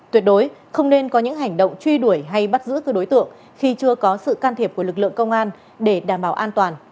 tuyệt đối không nên có những hành động truy đuổi hay bắt giữ các đối tượng khi chưa có sự can thiệp của lực lượng công an để đảm bảo an toàn